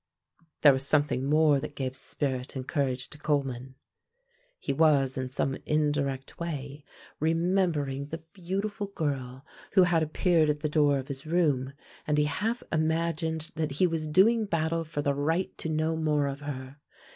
There was something more that gave spirit and courage to Coleman: he was in some indirect way remembering the beautiful girl who had appeared at the door of his room, and he half imagined that he was doing battle for the right to know more of her.